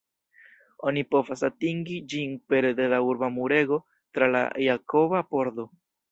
Oni povas atingi ĝin pere de la urba murego tra la Jakoba Pordo.